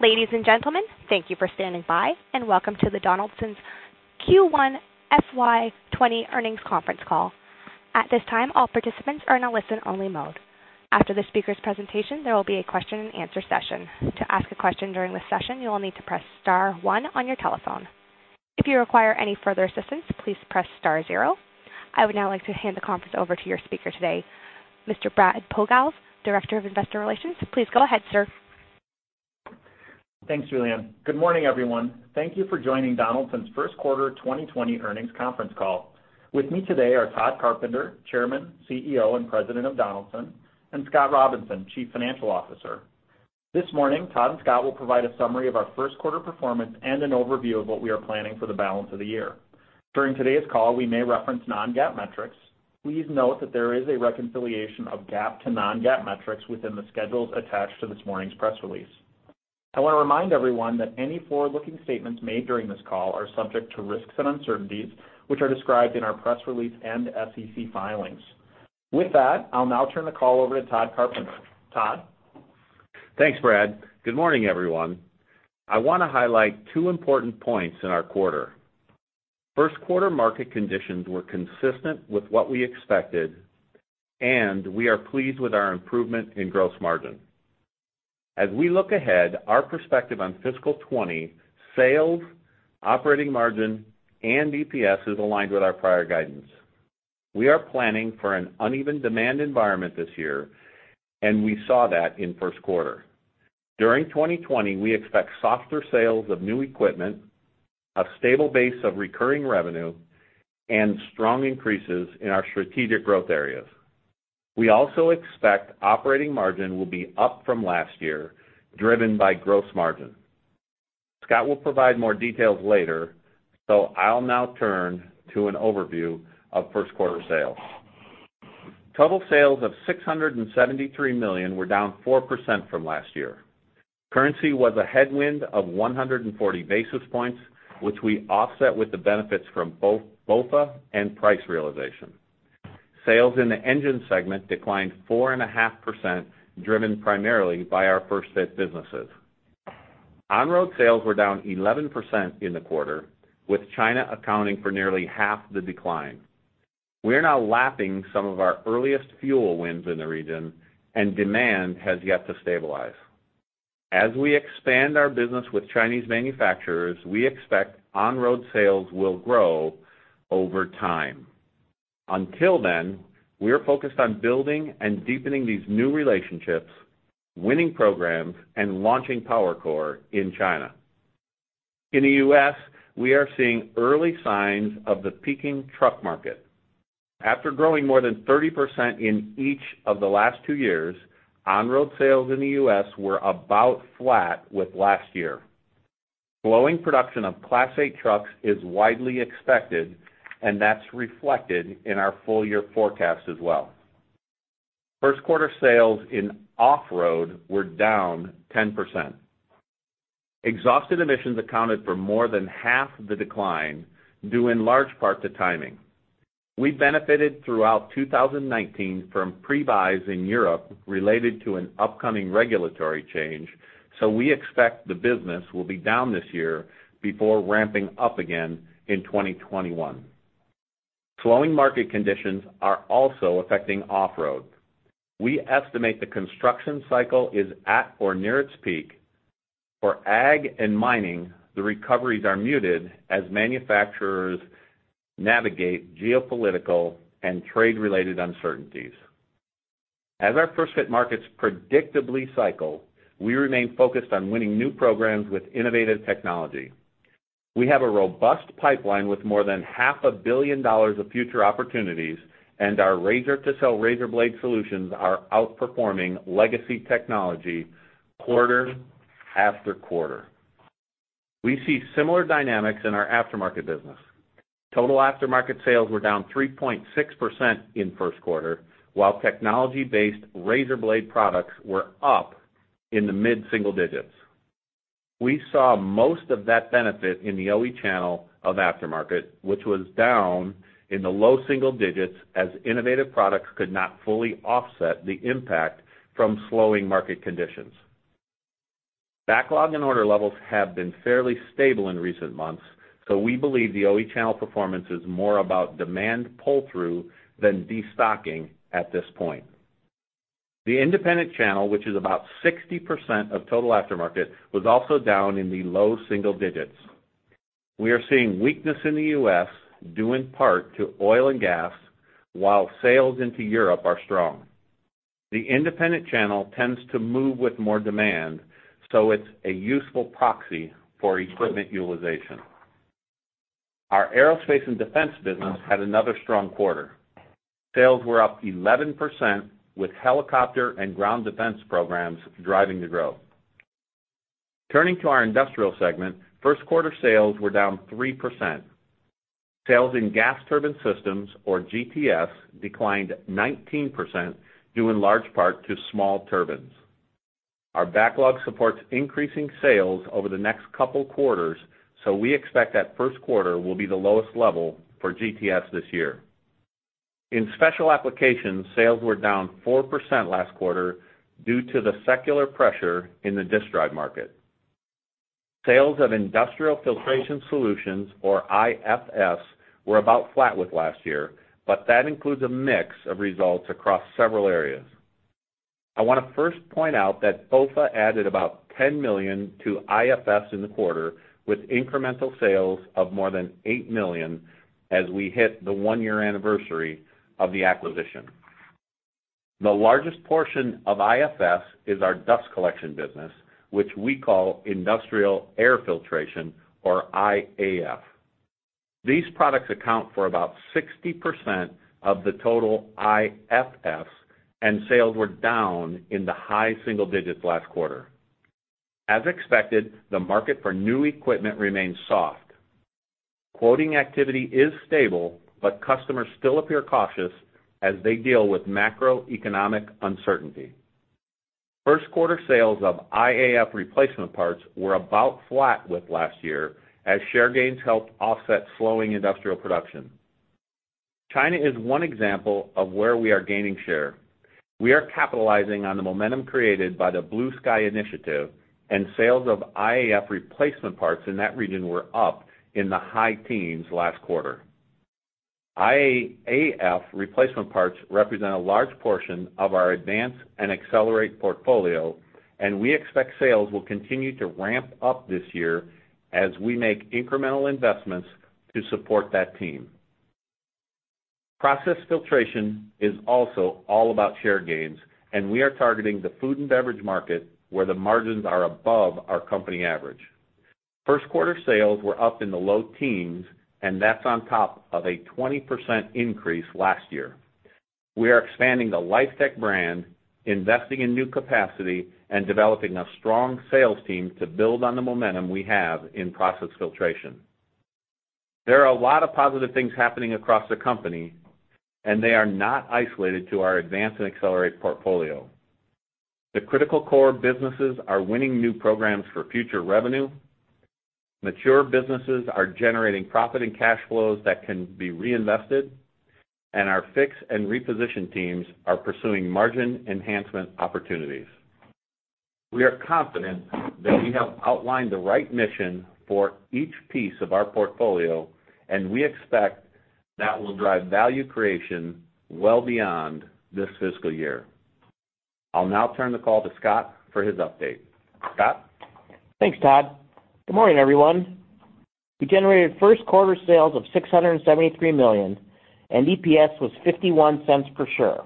Ladies and gentlemen, thank you for standing by and welcome to Donaldson's Q1 FY 2020 earnings conference call. At this time, all participants are in a listen-only mode. After the speaker's presentation, there will be a question and answer session. To ask a question during this session, you will need to press star 1 on your telephone. If you require any further assistance, please press star 0. I would now like to hand the conference over to your speaker today, Mr. Brad Pogalz, Director of Investor Relations. Please go ahead, sir. Thanks, Julianne. Good morning, everyone. Thank you for joining Donaldson's first quarter 2020 earnings conference call. With me today are Tod Carpenter, Chairman, CEO, and President of Donaldson, and Scott Robinson, Chief Financial Officer. This morning, Tod and Scott will provide a summary of our first quarter performance and an overview of what we are planning for the balance of the year. During today's call, we may reference non-GAAP metrics. Please note that there is a reconciliation of GAAP to non-GAAP metrics within the schedules attached to this morning's press release. I want to remind everyone that any forward-looking statements made during this call are subject to risks and uncertainties, which are described in our press release and SEC filings. With that, I'll now turn the call over to Tod Carpenter. Tod? Thanks, Brad. Good morning, everyone. I want to highlight two important points in our quarter. First quarter market conditions were consistent with what we expected, and we are pleased with our improvement in gross margin. As we look ahead, our perspective on fiscal 2020 sales, operating margin, and EPS is aligned with our prior guidance. We are planning for an uneven demand environment this year, and we saw that in first quarter. During 2020, we expect softer sales of new equipment, a stable base of recurring revenue, and strong increases in our strategic growth areas. We also expect operating margin will be up from last year, driven by gross margin. Scott will provide more details later, so I'll now turn to an overview of first quarter sales. Total sales of $673 million were down 4% from last year. Currency was a headwind of 140 basis points, which we offset with the benefits from both BOFA and price realization. Sales in the engine segment declined 4.5%, driven primarily by our first fit businesses. On-road sales were down 11% in the quarter, with China accounting for nearly half the decline. We're now lapping some of our earliest fuel wins in the region, and demand has yet to stabilize. As we expand our business with Chinese manufacturers, we expect on-road sales will grow over time. Until then, we are focused on building and deepening these new relationships, winning programs, and launching PowerCore in China. In the U.S., we are seeing early signs of the peaking truck market. After growing more than 30% in each of the last two years, on-road sales in the U.S. were about flat with last year. Slowing production of Class 8 trucks is widely expected. That's reflected in our full year forecast as well. First quarter sales in off-road were down 10%. Exhausted emissions accounted for more than half the decline, due in large part to timing. We benefited throughout 2019 from pre-buys in Europe related to an upcoming regulatory change. We expect the business will be down this year before ramping up again in 2021. Slowing market conditions are also affecting off-road. We estimate the construction cycle is at or near its peak. For ag and mining, the recoveries are muted as manufacturers navigate geopolitical and trade-related uncertainties. As our first-fit markets predictably cycle, we remain focused on winning new programs with innovative technology. We have a robust pipeline with more than half a billion dollars of future opportunities. Our razor-to-sell razor-blade solutions are outperforming legacy technology quarter after quarter. We see similar dynamics in our aftermarket business. Total aftermarket sales were down 3.6% in the first quarter, while technology-based razor-blade products were up in the mid-single digits. We saw most of that benefit in the OE channel of aftermarket, which was down in the low single digits as innovative products could not fully offset the impact from slowing market conditions. Backlog and order levels have been fairly stable in recent months, so we believe the OE channel performance is more about demand pull-through than destocking at this point. The independent channel, which is about 60% of total aftermarket, was also down in the low single digits. We are seeing weakness in the U.S., due in part to oil and gas, while sales into Europe are strong. The independent channel tends to move with more demand, so it's a useful proxy for equipment utilization. Our Aerospace and Defense business had another strong quarter. Sales were up 11%, with helicopter and ground defense programs driving the growth. Turning to our industrial segment, first quarter sales were down 3%. Sales in Gas Turbine Systems, or GTS, declined 19%, due in large part to small turbines. Our backlog supports increasing sales over the next couple quarters, so we expect that first quarter will be the lowest level for GTS this year. In special applications, sales were down 4% last quarter due to the secular pressure in the disk drive market. Sales of Industrial Filtration Solutions, or IFS, were about flat with last year, but that includes a mix of results across several areas. I want to first point out that BOFA added about $10 million to IFS in the quarter, with incremental sales of more than $8 million as we hit the one-year anniversary of the acquisition. The largest portion of IFS is our dust collection business, which we call Industrial Air Filtration, or IAF. These products account for about 60% of the total IFS, and sales were down in the high single digits last quarter. As expected, the market for new equipment remains soft. Quoting activity is stable, but customers still appear cautious as they deal with macroeconomic uncertainty. First quarter sales of IAF replacement parts were about flat with last year as share gains helped offset slowing industrial production. China is one example of where we are gaining share. We are capitalizing on the momentum created by the Blue Sky initiative, and sales of IAF replacement parts in that region were up in the high teens last quarter. IAF replacement parts represent a large portion of our Advance and Accelerate portfolio. We expect sales will continue to ramp up this year as we make incremental investments to support that team. Process filtration is also all about share gains. We are targeting the food and beverage market, where the margins are above our company average. First quarter sales were up in the low teens. That's on top of a 20% increase last year. We are expanding the LifeTec brand, investing in new capacity, and developing a strong sales team to build on the momentum we have in process filtration. There are a lot of positive things happening across the company. They are not isolated to our Advance and Accelerate portfolio. The critical core businesses are winning new programs for future revenue. Mature businesses are generating profit and cash flows that can be reinvested, and our fix and reposition teams are pursuing margin enhancement opportunities. We are confident that we have outlined the right mission for each piece of our portfolio, and we expect that will drive value creation well beyond this fiscal year. I'll now turn the call to Scott for his update. Scott? Thanks, Tod. Good morning, everyone. We generated first quarter sales of $673 million, and EPS was $0.51 per share.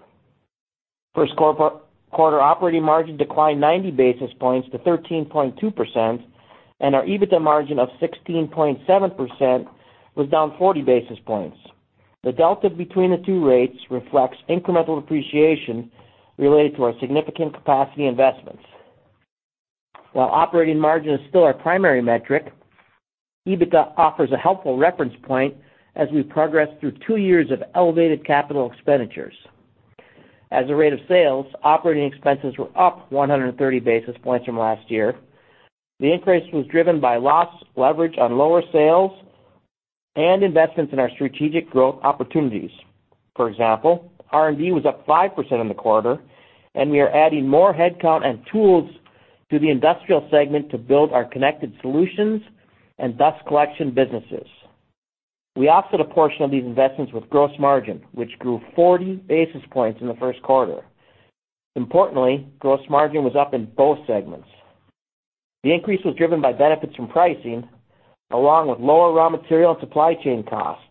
First quarter operating margin declined 90 basis points to 13.2%, and our EBITDA margin of 16.7% was down 40 basis points. The delta between the two rates reflects incremental depreciation related to our significant capacity investments. While operating margin is still our primary metric, EBITDA offers a helpful reference point as we progress through two years of elevated capital expenditures. As a rate of sales, operating expenses were up 130 basis points from last year. The increase was driven by loss leverage on lower sales and investments in our strategic growth opportunities. For example, R&D was up 5% in the quarter, and we are adding more headcount and tools to the Industrial Filtration Solutions segment to build our Connected Solutions and Industrial Air Filtration businesses. We offset a portion of these investments with gross margin, which grew 40 basis points in the first quarter. Importantly, gross margin was up in both segments. The increase was driven by benefits from pricing, along with lower raw material and supply chain cost,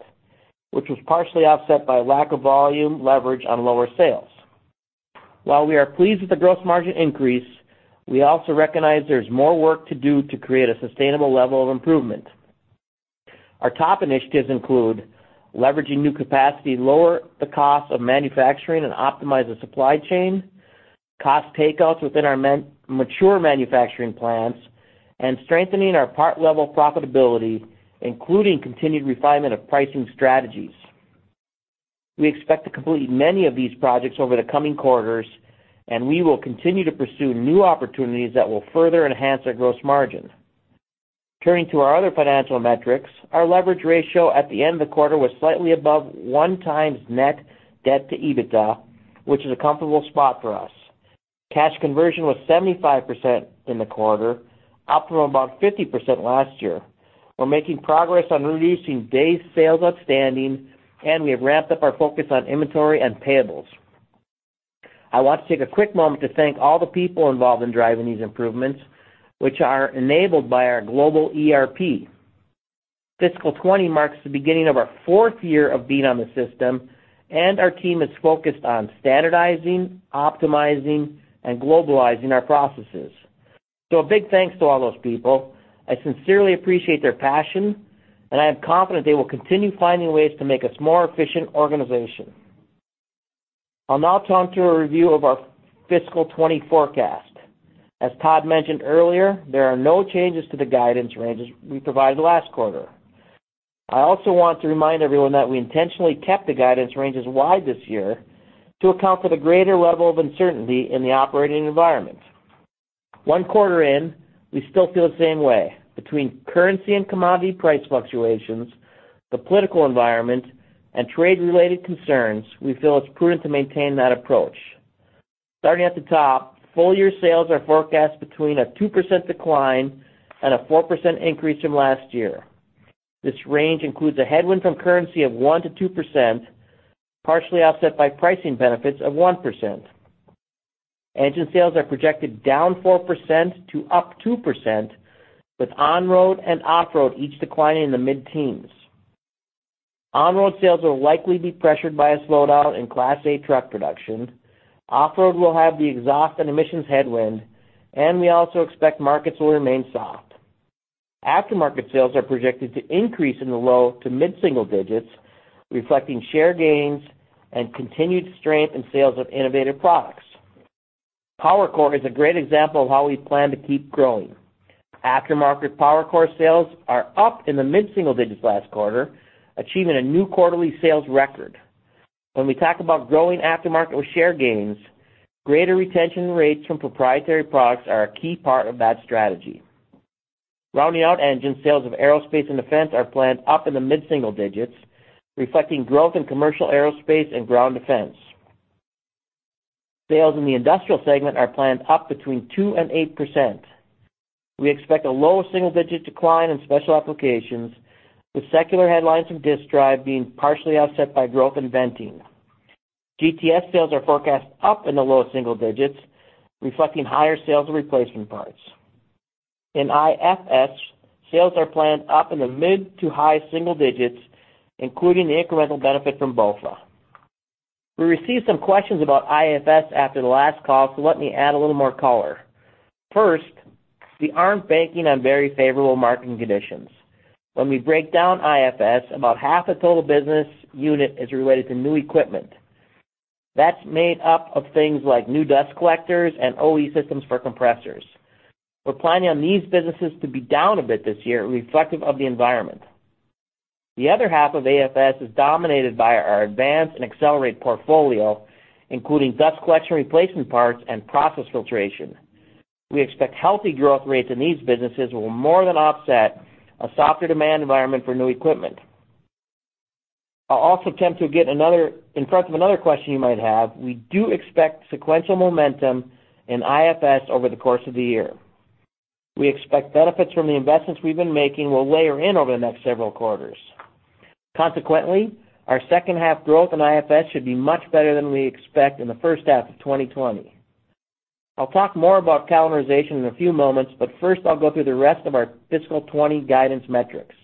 which was partially offset by lack of volume leverage on lower sales. While we are pleased with the gross margin increase, we also recognize there's more work to do to create a sustainable level of improvement. Our top initiatives include leveraging new capacity, lower the cost of manufacturing, and optimize the supply chain, cost takeouts within our mature manufacturing plants, and strengthening our part level profitability, including continued refinement of pricing strategies. We expect to complete many of these projects over the coming quarters, and we will continue to pursue new opportunities that will further enhance our gross margin. Turning to our other financial metrics, our leverage ratio at the end of the quarter was slightly above one times net debt to EBITDA, which is a comfortable spot for us. Cash conversion was 75% in the quarter, up from about 50% last year. We're making progress on releasing days sales outstanding, and we have ramped up our focus on inventory and payables. I want to take a quick moment to thank all the people involved in driving these improvements, which are enabled by our global ERP. Fiscal 2020 marks the beginning of our fourth year of being on the system, and our team is focused on standardizing, optimizing, and globalizing our processes. A big thanks to all those people. I sincerely appreciate their passion, and I am confident they will continue finding ways to make us a more efficient organization. I'll now talk through a review of our fiscal 2020 forecast. As Tod mentioned earlier, there are no changes to the guidance ranges we provided last quarter. I also want to remind everyone that we intentionally kept the guidance ranges wide this year to account for the greater level of uncertainty in the operating environment. One quarter in, we still feel the same way. Between currency and commodity price fluctuations, the political environment, and trade-related concerns, we feel it's prudent to maintain that approach. Starting at the top, full-year sales are forecast between a 2% decline and a 4% increase from last year. This range includes a headwind from currency of 1%-2%, partially offset by pricing benefits of 1%. Engine sales are projected down 4% to 2%, with on-road and off-road each declining in the mid-teens. On-road sales will likely be pressured by a slowdown in Class 8 truck production. Off-road will have the exhaust and emissions headwind, and we also expect markets will remain soft. Aftermarket sales are projected to increase in the low to mid-single digits, reflecting share gains and continued strength in sales of innovative products. PowerCore is a great example of how we plan to keep growing. Aftermarket PowerCore sales are up in the mid-single digits last quarter, achieving a new quarterly sales record. When we talk about growing aftermarket with share gains, greater retention rates from proprietary products are a key part of that strategy. Rounding out engine sales of aerospace and defense are planned up in the mid-single digits, reflecting growth in commercial aerospace and ground defense. Sales in the Industrial segment are planned up between 2% and 8%. We expect a low single-digit decline in special applications, with secular headwinds from disk drive being partially offset by growth in venting. GTS sales are forecast up in the low single digits, reflecting higher sales of replacement parts. In IFS, sales are planned up in the mid to high single digits, including the incremental benefit from BOFA. We received some questions about IFS after the last call. Let me add a little more color. First, we aren't banking on very favorable marketing conditions. When we break down IFS, about half a total business unit is related to new equipment. That's made up of things like new dust collectors and OE systems for compressors. We're planning on these businesses to be down a bit this year, reflective of the environment. The other half of IFS is dominated by our Advance and Accelerate portfolio, including dust collection replacement parts and process filtration. We expect healthy growth rates in these businesses will more than offset a softer demand environment for new equipment. I'll also attempt to get in front of another question you might have. We do expect sequential momentum in IFS over the course of the year. We expect benefits from the investments we've been making will layer in over the next several quarters. Consequently, our second half growth in IFS should be much better than we expect in the first half of 2020. I'll talk more about calendarization in a few moments, but first I'll go through the rest of our fiscal 2020 guidance metrics.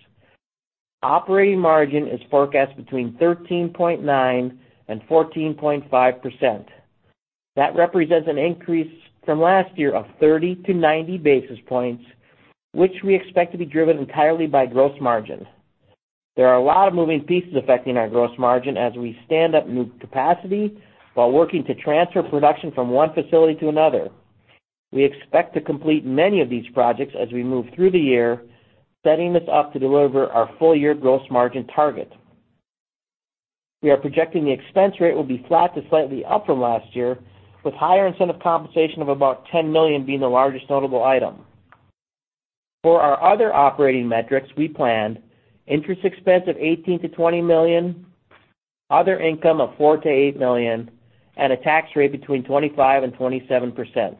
Operating margin is forecast between 13.9% and 14.5%. That represents an increase from last year of 30 to 90 basis points, which we expect to be driven entirely by gross margin. There are a lot of moving pieces affecting our gross margin as we stand up new capacity while working to transfer production from one facility to another. We expect to complete many of these projects as we move through the year, setting us up to deliver our full-year gross margin target. We are projecting the expense rate will be flat to slightly up from last year, with higher incentive compensation of about $10 million being the largest notable item. For our other operating metrics, we plan interest expense of $18 million-$20 million, other income of $4 million-$8 million, and a tax rate between 25% and 27%.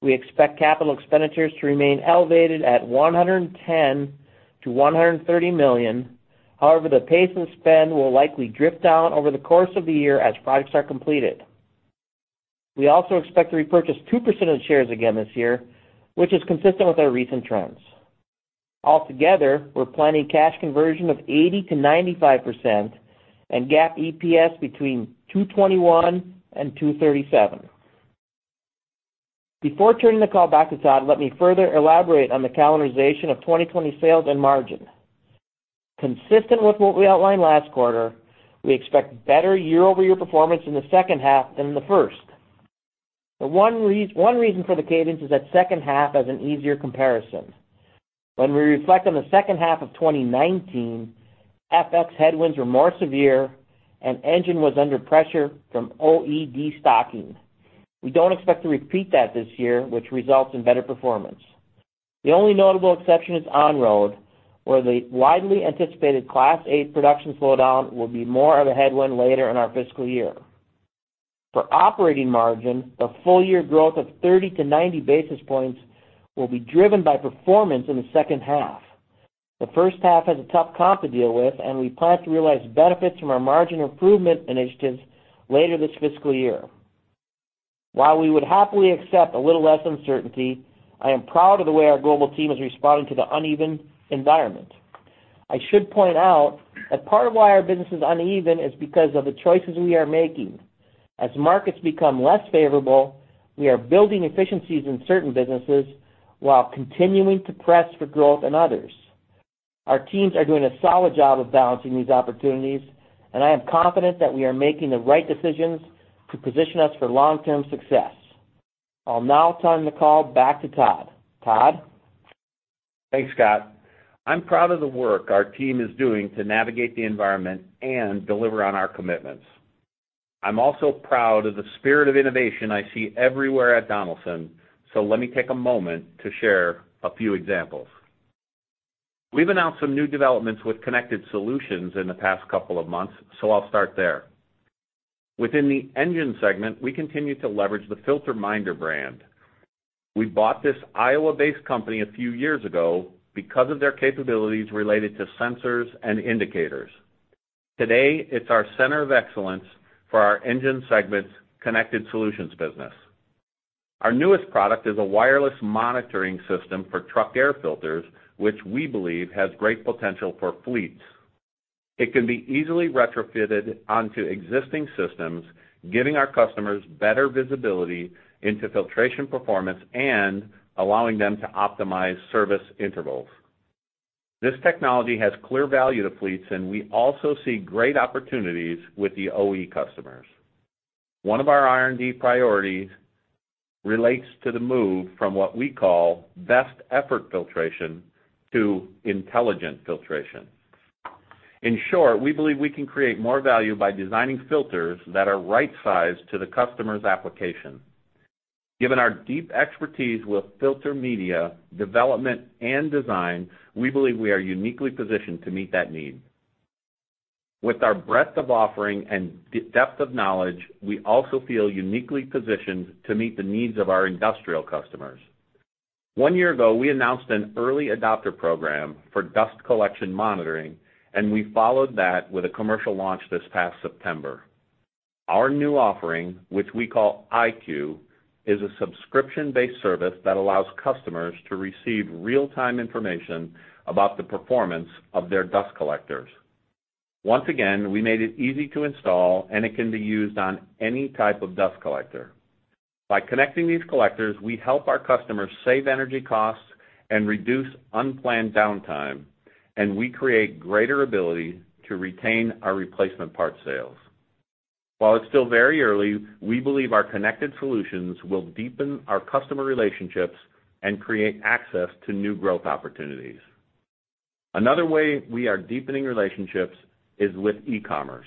We expect capital expenditures to remain elevated at $110 million-$130 million. The pace in spend will likely drift down over the course of the year as products are completed. We also expect to repurchase 2% of the shares again this year, which is consistent with our recent trends. Altogether, we're planning cash conversion of 80%-95% and GAAP EPS between $2.21 and $2.37. Before turning the call back to Tod, let me further elaborate on the calendarization of 2020 sales and margin. Consistent with what we outlined last quarter, we expect better year-over-year performance in the second half than in the first. One reason for the cadence is that second half has an easier comparison. When we reflect on the second half of 2019, FX headwinds were more severe and engine was under pressure from OE destocking. We don't expect to repeat that this year, which results in better performance. The only notable exception is on-road, where the widely anticipated Class 8 production slowdown will be more of a headwind later in our fiscal year. For operating margin, the full-year growth of 30-90 basis points will be driven by performance in the second half. The first half has a tough comp to deal with, and we plan to realize benefits from our margin improvement initiatives later this fiscal year. While we would happily accept a little less uncertainty, I am proud of the way our global team has responded to the uneven environment. I should point out that part of why our business is uneven is because of the choices we are making. As markets become less favorable, we are building efficiencies in certain businesses while continuing to press for growth in others. Our teams are doing a solid job of balancing these opportunities, and I am confident that we are making the right decisions to position us for long-term success. I'll now turn the call back to Tod. Tod? Thanks, Scott. I'm proud of the work our team is doing to navigate the environment and deliver on our commitments. I'm also proud of the spirit of innovation I see everywhere at Donaldson. Let me take a moment to share a few examples. We've announced some new developments with Connected Solutions in the past couple of months. I'll start there. Within the Engine segment, we continue to leverage the Filter Minder brand. We bought this Iowa-based company a few years ago because of their capabilities related to sensors and indicators. Today, it's our center of excellence for our Engine segment's Connected Solutions business. Our newest product is a wireless monitoring system for truck air filters, which we believe has great potential for fleets. It can be easily retrofitted onto existing systems, giving our customers better visibility into filtration performance and allowing them to optimize service intervals. This technology has clear value to fleets, and we also see great opportunities with the OE customers. One of our R&D priorities relates to the move from what we call best effort filtration to intelligent filtration. In short, we believe we can create more value by designing filters that are right-sized to the customer's application. Given our deep expertise with filter media, development, and design, we believe we are uniquely positioned to meet that need. With our breadth of offering and depth of knowledge, we also feel uniquely positioned to meet the needs of our industrial customers. One year ago, we announced an early adopter program for dust collection monitoring, and we followed that with a commercial launch this past September. Our new offering, which we call iCue, is a subscription-based service that allows customers to receive real-time information about the performance of their dust collectors. Once again, we made it easy to install. It can be used on any type of dust collector. By connecting these collectors, we help our customers save energy costs and reduce unplanned downtime, and we create greater ability to retain our replacement parts sales. While it's still very early, we believe our Connected Solutions will deepen our customer relationships and create access to new growth opportunities. Another way we are deepening relationships is with e-commerce.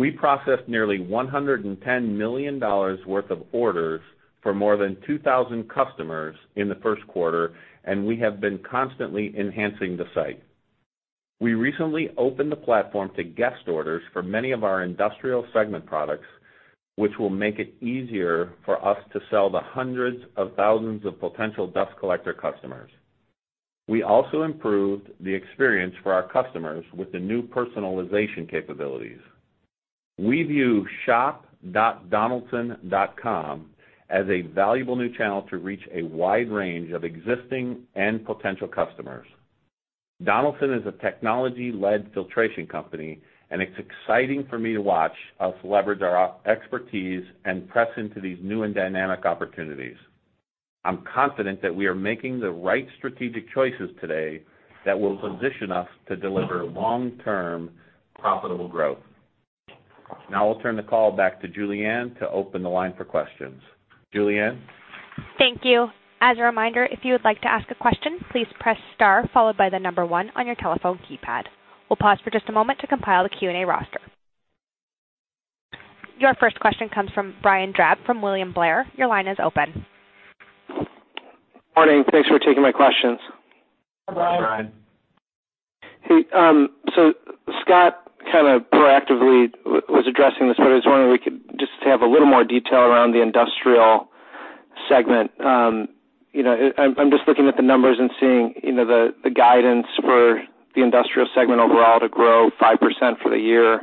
We processed nearly $110 million worth of orders for more than 2,000 customers in the first quarter, and we have been constantly enhancing the site. We recently opened the platform to guest orders for many of our industrial segment products, which will make it easier for us to sell to hundreds of thousands of potential dust collector customers. We also improved the experience for our customers with the new personalization capabilities. We view shop.donaldson.com as a valuable new channel to reach a wide range of existing and potential customers. Donaldson is a technology-led filtration company, and it's exciting for me to watch us leverage our expertise and press into these new and dynamic opportunities. I'm confident that we are making the right strategic choices today that will position us to deliver long-term profitable growth. Now I'll turn the call back to Julianne to open the line for questions. Julianne? Thank you. As a reminder, if you would like to ask a question, please press star followed by the number one on your telephone keypad. We'll pause for just a moment to compile the Q&A roster. Your first question comes from Brian Drab from William Blair. Your line is open. Morning. Thanks for taking my questions. Hi, Brian. Hi, Brian. Hey, Scott kind of proactively was addressing this, but I was wondering if we could just have a little more detail around the Industrial segment. I'm just looking at the numbers and seeing the guidance for the Industrial segment overall to grow 5% for the year,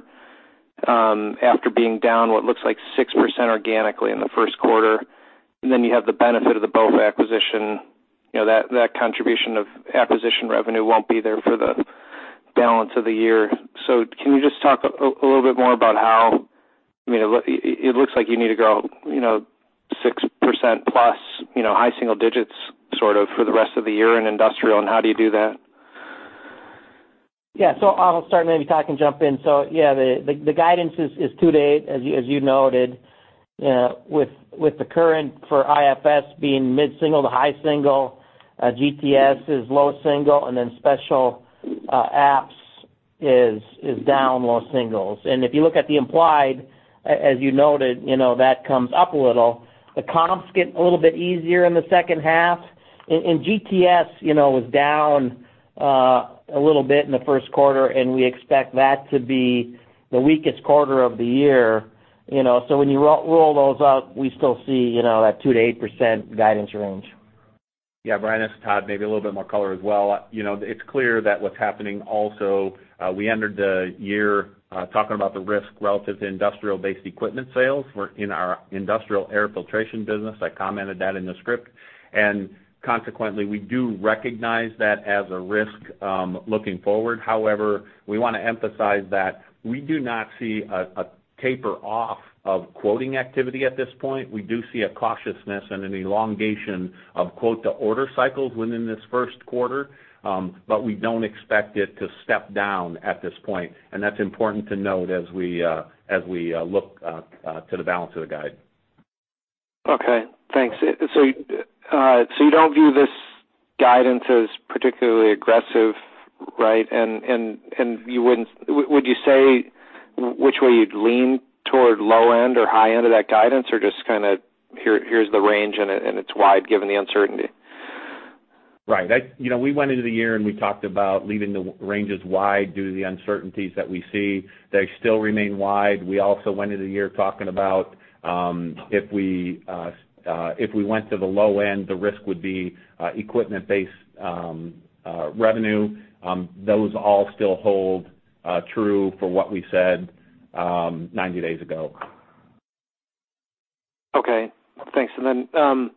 after being down what looks like 6% organically in the first quarter. You have the benefit of the BOFA acquisition. That contribution of acquisition revenue won't be there for the balance of the year. Can you just talk a little bit more about it looks like you need to grow 6% plus high single digits, sort of for the rest of the year in Industrial, and how do you do that? Yeah. I'll start. Maybe Tod can jump in. Yeah, the guidance is two to eight, as you noted, with the current for IFS being mid-single to high single. GTS is low single, then Special Apps is down low singles. If you look at the implied, as you noted, that comes up a little. The comps get a little bit easier in the second half. GTS was down a little bit in the first quarter, and we expect that to be the weakest quarter of the year. When you roll those out, we still see that 2%-8% guidance range. Yeah, Brian, this is Tod. Maybe a little bit more color as well. It's clear that what's happening also, we entered the year talking about the risk relative to industrial-based equipment sales in our Industrial Air Filtration business. I commented that in the script. Consequently, we do recognize that as a risk, looking forward. However, we want to emphasize that we do not see a taper off of quoting activity at this point. We do see a cautiousness and an elongation of quote-to-order cycles within this first quarter, but we don't expect it to step down at this point. That's important to note as we look to the balance of the guide. Okay, thanks. You don't view this guidance as particularly aggressive, right? Would you say which way you'd lean toward low end or high end of that guidance? Just kind of here's the range and it's wide given the uncertainty. Right. We went into the year, we talked about leaving the ranges wide due to the uncertainties that we see. They still remain wide. We also went into the year talking about if we went to the low end, the risk would be equipment-based revenue. Those all still hold true for what we said 90 days ago. Okay, thanks. You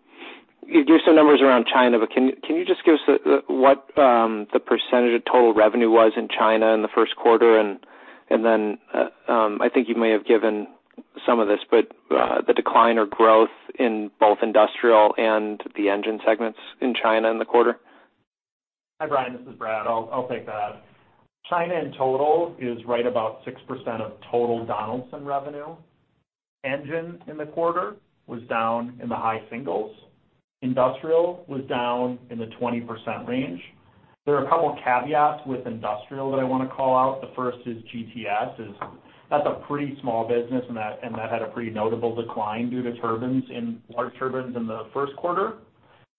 gave some numbers around China, but can you just give us what the percentage of total revenue was in China in the first quarter? I think you may have given some of this, but the decline or growth in both industrial and the engine segments in China in the quarter. Hi, Brian, this is Brad. I'll take that. China in total is right about 6% of total Donaldson revenue. Engine in the quarter was down in the high singles. Industrial was down in the 20% range. There are a couple of caveats with industrial that I want to call out. The first is GTS. That's a pretty small business, and that had a pretty notable decline due to turbines and large turbines in the first quarter.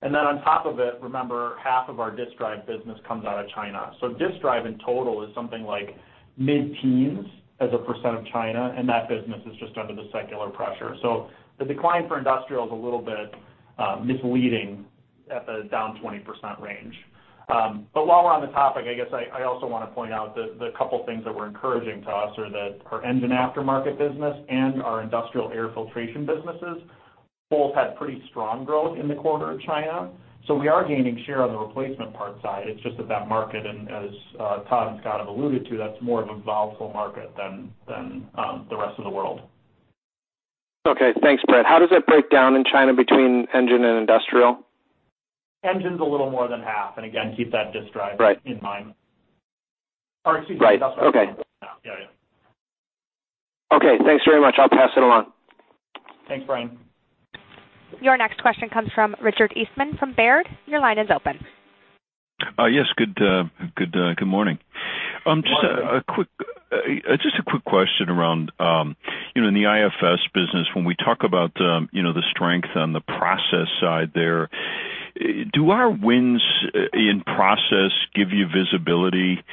On top of it, remember, half of our disk drive business comes out of China. Disk drive in total is something like mid-teens as a % of China, and that business is just under the secular pressure. The decline for industrial is a little bit misleading at the down 20% range. While we're on the topic, I guess I also want to point out the couple of things that were encouraging to us are that our engine aftermarket business and our Industrial Air Filtration businesses both had pretty strong growth in the quarter in China. We are gaining share on the replacement parts side. It's just that that market, and as Tod and Scott have alluded to, that's more of a volatile market than the rest of the world. Okay, thanks, Brad. How does it break down in China between engine and industrial? Engine's a little more than half, and again, keep that disk drive. Right in mind. Excuse me. Right. Okay. Yeah. Okay, thanks very much. I'll pass it along. Thanks, Brian. Your next question comes from Richard Eastman from Baird. Your line is open. Yes, good morning. Good morning. Just a quick question around, in the IFS business, when we talk about the strength on the process side there, do our wins in process give you visibility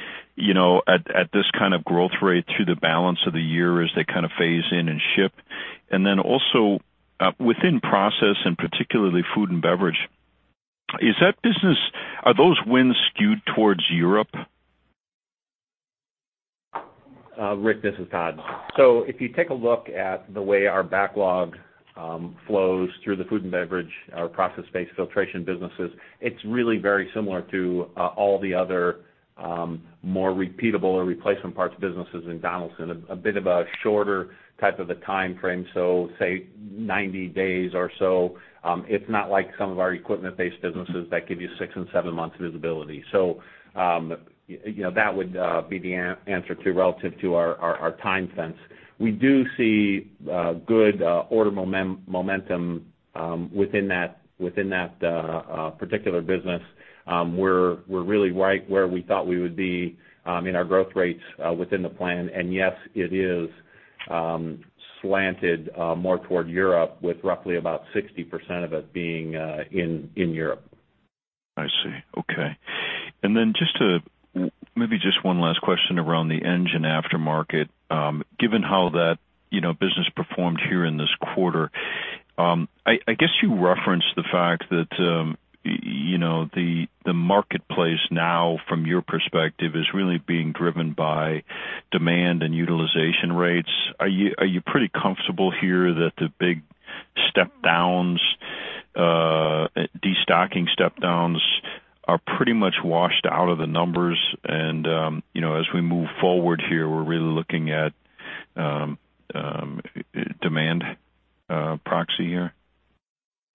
at this kind of growth rate through the balance of the year as they kind of phase in and ship? Also within process, and particularly food and beverage, are those wins skewed towards Europe? Rick, this is Tod. If you take a look at the way our backlog flows through the food and beverage, our process-based filtration businesses, it's really very similar to all the other more repeatable or replacement parts businesses in Donaldson. A bit of a shorter type of a timeframe, so say 90 days or so. It's not like some of our equipment-based businesses that give you six and seven months visibility. That would be the answer too relative to our time fence. We do see good order momentum within that particular business. We're really right where we thought we would be in our growth rates within the plan. Yes, it is slanted more toward Europe with roughly about 60% of it being in Europe. I see. Okay. Maybe just one last question around the engine aftermarket. Given how that business performed here in this quarter, I guess you referenced the fact that the marketplace now from your perspective is really being driven by demand and utilization rates. Are you pretty comfortable here that the big step downs, destocking step downs are pretty much washed out of the numbers and as we move forward here, we're really looking at demand proxy here?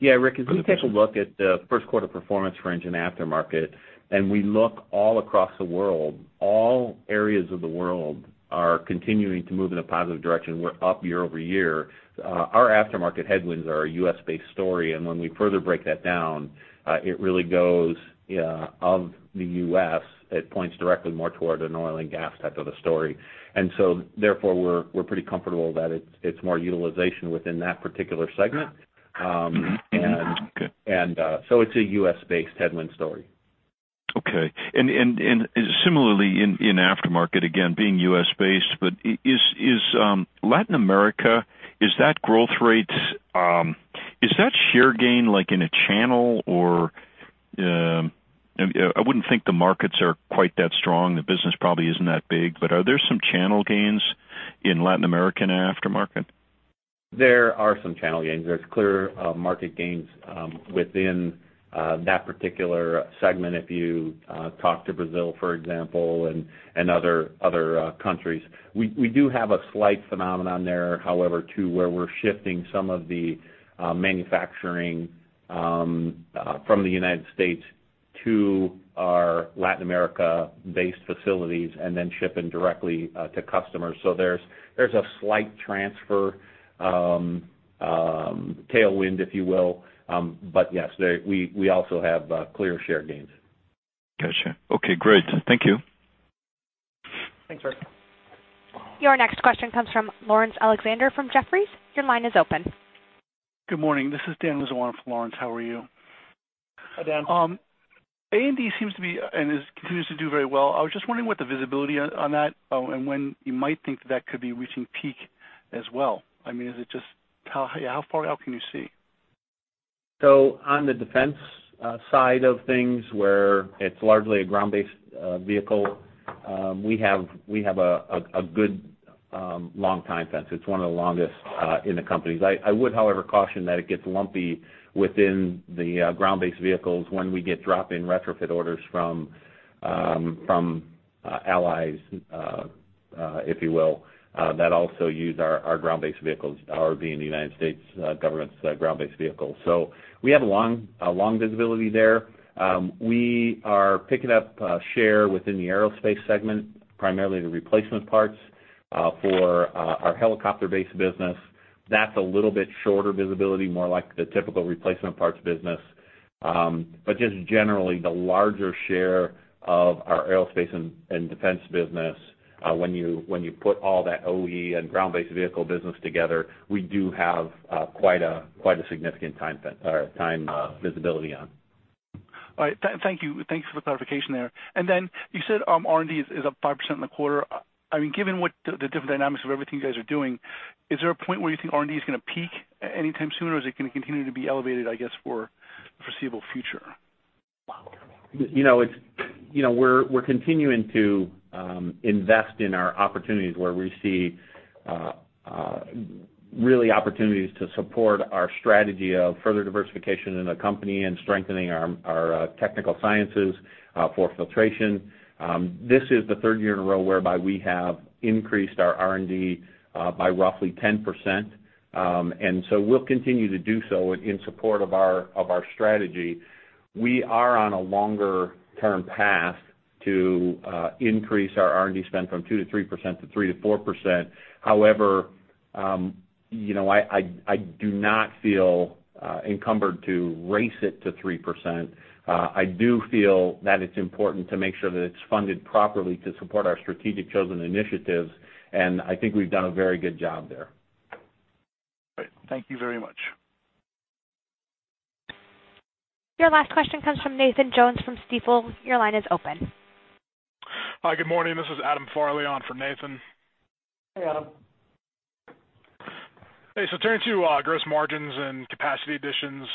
Yeah, Rick, as we take a look at the first quarter performance for engine aftermarket, and we look all across the world, all areas of the world are continuing to move in a positive direction. We're up year-over-year. Our aftermarket headwinds are a U.S.-based story, and when we further break that down, it really goes of the U.S., it points directly more toward an oil and gas type of a story. Therefore we're pretty comfortable that it's more utilization within that particular segment. Mm-hmm. Okay. It's a U.S.-based headwind story. Okay. Similarly in aftermarket, again, being U.S.-based, but is Latin America, is that growth rate, is that share gain like in a channel or I wouldn't think the markets are quite that strong. The business probably isn't that big, but are there some channel gains in Latin American aftermarket? There are some channel gains. There's clear market gains within that particular segment if you talk to Brazil, for example, and other countries. We do have a slight phenomenon there, however, too, where we're shifting some of the manufacturing from the U.S. to our Latin America-based facilities and then shipping directly to customers. There's a slight transfer tailwind, if you will. Yes, we also have clear share gains. Got you. Okay, great. Thank you. Thanks, Rick. Your next question comes from Laurence Alexander from Jefferies. Your line is open. Good morning. This is Dan Lazzaro in for Laurence. How are you? Hi, Dan. A&D seems to be, and it continues to do very well. I was just wondering what the visibility on that, and when you might think that could be reaching peak as well. How far out can you see? On the defense side of things, where it's largely a ground-based vehicle, we have a good long time fence. It's one of the longest in the company. I would, however, caution that it gets lumpy within the ground-based vehicles when we get drop-in retrofit orders from allies, if you will, that also use our ground-based vehicles, our being the U.S. government's ground-based vehicles. We have a long visibility there. We are picking up share within the aerospace segment, primarily the replacement parts for our helicopter-based business. That's a little bit shorter visibility, more like the typical replacement parts business. Just generally, the larger share of our aerospace and defense business, when you put all that OE and ground-based vehicle business together, we do have quite a significant time visibility on. All right. Thank you. Thanks for the clarification there. Then you said R&D is up 5% in the quarter. Given the different dynamics of everything you guys are doing, is there a point where you think R&D is going to peak anytime soon, or is it going to continue to be elevated, I guess, for foreseeable future? We're continuing to invest in our opportunities where we see really opportunities to support our strategy of further diversification in the company and strengthening our technical sciences for filtration. This is the third year in a row whereby we have increased our R&D by roughly 10%. We'll continue to do so in support of our strategy. We are on a longer-term path to increase our R&D spend from 2%-3%, to 3%-4%. However, I do not feel encumbered to race it to 3%. I do feel that it's important to make sure that it's funded properly to support our strategic chosen initiatives, and I think we've done a very good job there. Great. Thank you very much. Your last question comes from Nathan Jones from Stifel. Your line is open. Hi, good morning. This is Adam Farley on for Nathan. Hey, Adam. Hey, turning to gross margins and capacity additions.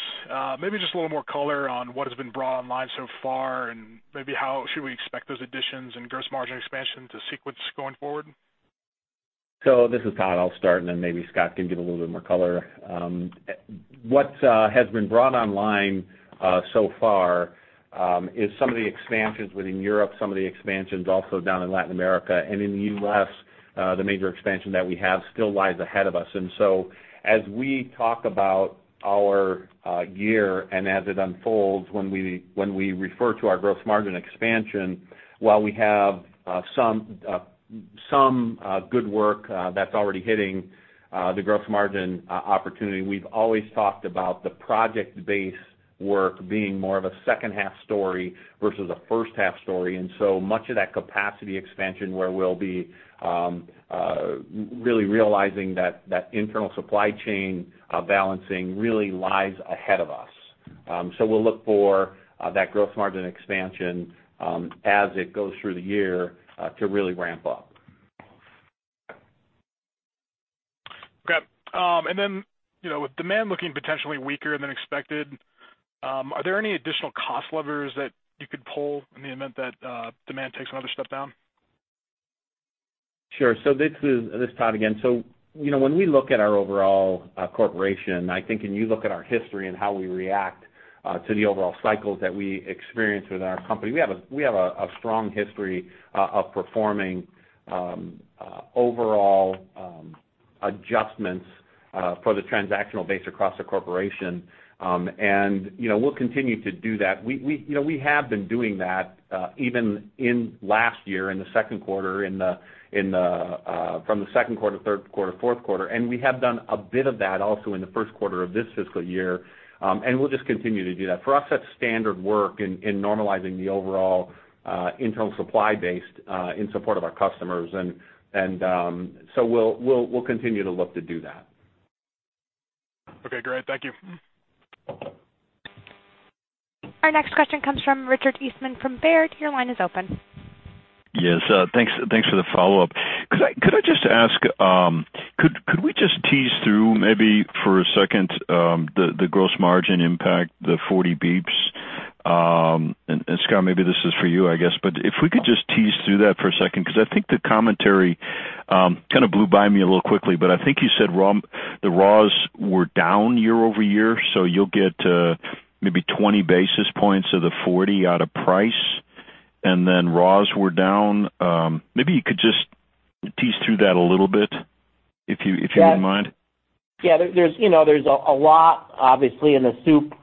Maybe just a little more color on what has been brought online so far, maybe how should we expect those additions and gross margin expansion to sequence going forward? This is Tod. I'll start, and then maybe Scott can give a little bit more color. What has been brought online so far is some of the expansions within Europe, some of the expansions also down in Latin America. In the U.S., the major expansion that we have still lies ahead of us. As we talk about our year and as it unfolds, when we refer to our gross margin expansion, while we have some good work that's already hitting the gross margin opportunity, we've always talked about the project-based work being more of a second half story versus a first half story. Much of that capacity expansion, where we'll be really realizing that internal supply chain balancing really lies ahead of us. We'll look for that gross margin expansion as it goes through the year to really ramp up. Okay. With demand looking potentially weaker than expected, are there any additional cost levers that you could pull in the event that demand takes another step down? Sure. This is Tod again. When we look at our overall corporation, I think, and you look at our history and how we react to the overall cycles that we experience within our company, we have a strong history of performing overall adjustments for the transactional base across the corporation. We'll continue to do that. We have been doing that, even in last year, in the second quarter, from the second quarter, third quarter, fourth quarter, and we have done a bit of that also in the first quarter of this fiscal year, and we'll just continue to do that. For us, that's standard work in normalizing the overall internal supply base in support of our customers. We'll continue to look to do that. Okay, great. Thank you. Our next question comes from Richard Eastman from Baird. Your line is open. Yes. Thanks for the follow-up. Could I just ask, could we just tease through maybe for a second, the gross margin impact, the 40 basis points? Scott, maybe this is for you, I guess, but if we could just tease through that for a second, because I think the commentary kind of blew by me a little quickly, but I think you said the raws were down year-over-year, so you'll get maybe 20 basis points of the 40 out of price. Raws were down. Maybe you could just tease through that a little bit, if you wouldn't mind. Yeah. There's a lot, obviously, in the soup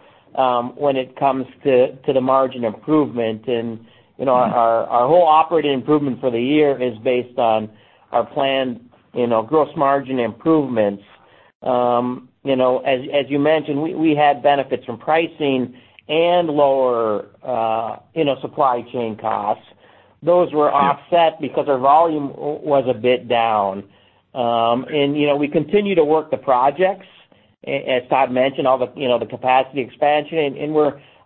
when it comes to the margin improvement and our whole operating improvement for the year is based on our planned gross margin improvements. As you mentioned, we had benefits from pricing and lower supply chain costs. Those were offset because our volume was a bit down. We continue to work the projects, as Tod mentioned, all the capacity expansion.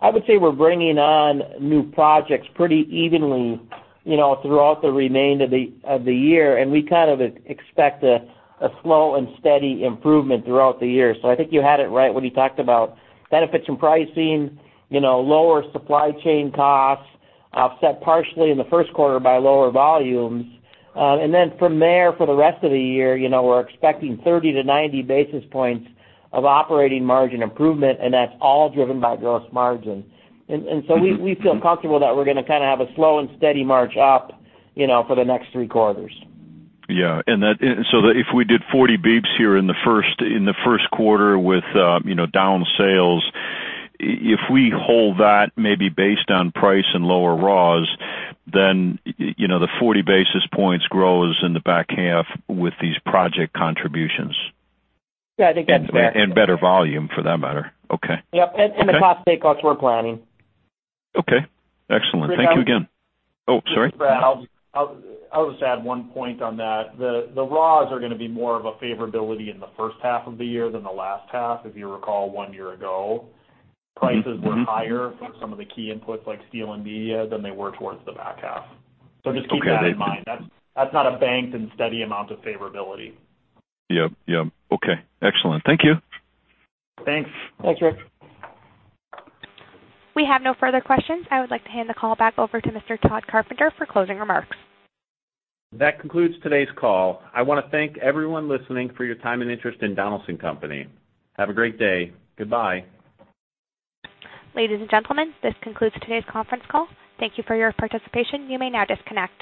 I would say we're bringing on new projects pretty evenly throughout the remainder of the year, and we kind of expect a slow and steady improvement throughout the year. I think you had it right when you talked about benefits and pricing, lower supply chain costs, offset partially in the first quarter by lower volumes. Then from there, for the rest of the year, we're expecting 30-90 basis points of operating margin improvement, and that's all driven by gross margin. So we feel comfortable that we're going to kind of have a slow and steady march up for the next three quarters. If we did 40 basis points here in the first quarter with down sales, if we hold that maybe based on price and lower raws, then the 40 basis points grows in the back half with these project contributions. Yeah, I think that's fair. Better volume for that matter. Okay. Yep, the cost take outs we're planning. Okay, excellent. Thank you again. Rick. Oh, sorry. I'll just add one point on that. The raws are going to be more of a favorability in the first half of the year than the last half. If you recall, one year ago, prices were higher for some of the key inputs like steel and media than they were towards the back half. Just keep that in mind. That's not a banked and steady amount of favorability. Yep. Okay, excellent. Thank you. Thanks. Thanks, Rick. We have no further questions. I would like to hand the call back over to Mr. Tod Carpenter for closing remarks. That concludes today's call. I want to thank everyone listening for your time and interest in Donaldson Company. Have a great day. Goodbye. Ladies and gentlemen, this concludes today's conference call. Thank you for your participation. You may now disconnect.